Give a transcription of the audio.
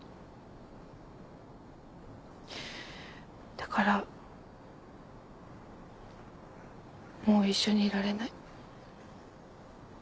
だからもう一緒にいられない。